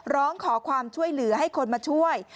ร้องขอความช่วยเหลือให้คนมาช่วย